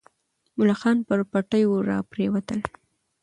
ملخان پر پټیو راپرېوتل.